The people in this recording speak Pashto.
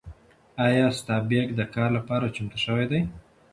ایا ستا بیک د کار لپاره چمتو شوی دی؟